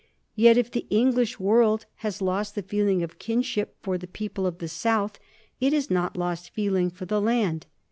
Yet if the English world has lost the feeling of kinship for the people of the south, it has not lost feeling for the land.